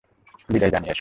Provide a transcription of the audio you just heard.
বিদায় জানিয়ে এসো।